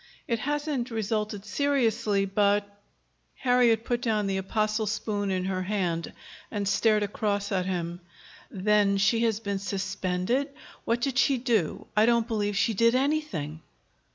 It hasn't resulted seriously, but " Harriet put down the apostle spoon in her hand and stared across at him. "Then she has been suspended? What did she do? I don't believe she did anything!"